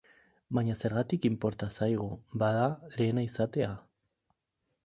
Baina zergatik inporta zaigu, bada, lehena izatea?